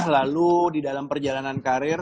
lalu di dalam perjalanan karir